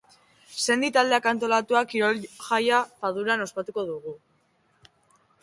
Sendi taldeak antolatua, kirol-jaia Faduran ospatuko dugu.